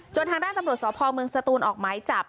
ทางด้านตำรวจสพเมืองสตูนออกหมายจับ